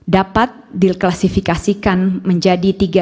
dapat diklasifikasikan menjadi tiga